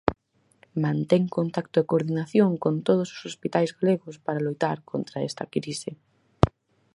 Mantén contacto e coordinación con todos os hospitais galegos para loitar contra esta crise.